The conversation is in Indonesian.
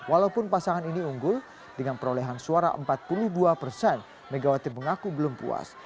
walaupun pasangan ini unggul dengan perolehan suara empat puluh dua persen megawati mengaku belum puas